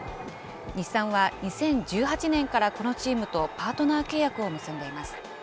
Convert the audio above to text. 日産は２０１８年からこのチームとパートナー契約を結んでいます。